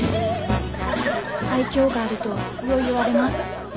愛嬌があるとよう言われます。